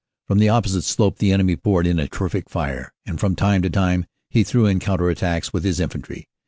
From the opposite slope the enemy poured in a terrific fire, and from time to time he threw in counter attacks with his infantry.